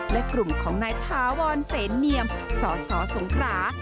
และกลุ่มของนายถาวรเสนเนียมสสสสงขรา